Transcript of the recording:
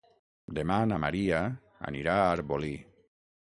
Demà na Maria anirà a Arbolí.